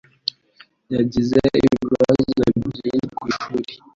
yagize ibibazo byinshi kwishuri.